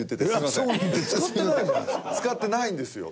使ってないんですよ。